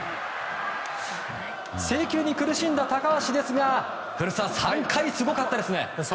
制球に苦しんだ高橋ですが３回すごかったですね。